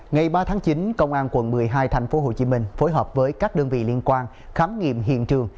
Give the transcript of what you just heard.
ngày ba tháng chín công an quận một mươi hai tp hcm phối hợp với các đơn vị liên quan khám nghiệm hiện trường